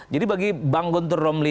jadi bagi bang guntur romli